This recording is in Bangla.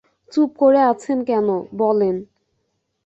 চুপ করে আছেন কেন, বলেন।